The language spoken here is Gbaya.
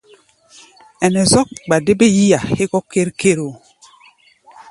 Ɛnɛ zɔ́k gba dé bé yí-a hégɔ́ ker-ker wo.